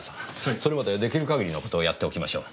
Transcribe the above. それまで出来る限りのことをやっておきましょう。